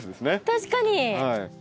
確かに。